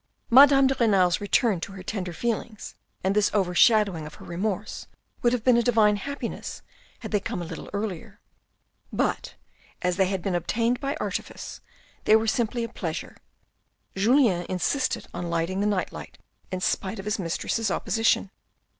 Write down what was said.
Madame de Renal's return to her tender feelings and this overshadowing of her remorse would have been a divine happiness had they come a little earlier; but, as they had been obtained by artifice, they were simply a pleasure. Julien insisted on lighting the nightlight in spite of his mistress's opposition.